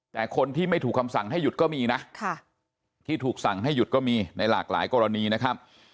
แต่คนที่ไม่ถูกคำสั่งให้หยุดก็มีนะที่ถูกสั่งให้หยุดก็มีในหลากหลายกรณีนะครับ